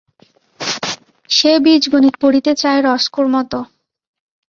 সে বীজগণিত পড়িতে চায় রস্কোর মতো।